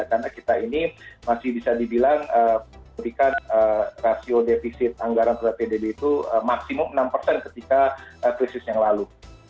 karena kita ini masih bisa dibilang memudikan rasio defisit anggaran terhadap pdb itu maksimum enam persen ketika krisis yang lalu